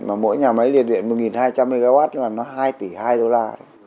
mỗi nhà máy nhiệt điện một hai trăm linh mw là hai tỷ hai đô la